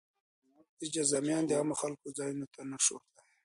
جذامیان د عامو خلکو ځایونو ته نه شوای ورتلی.